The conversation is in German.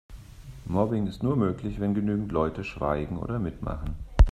Mobbing ist nur möglich, wenn genügend Leute schweigen oder mitmachen.